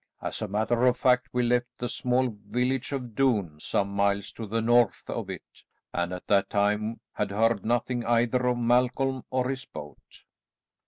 As a matter of fact we left the small village of Doune some miles to the north of it, and at that time had heard nothing either of Malcolm or his boat."